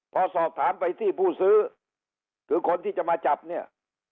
พอสอบถามไปที่ผู้ซื้อคือคนที่จะมาจับเนี่ย